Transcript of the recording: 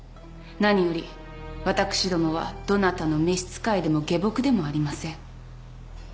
何より私どもはどなたの召使いでも下僕でもありません。